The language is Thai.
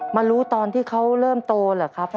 มารู้ตอนที่เขาเริ่มโตเหรอครับ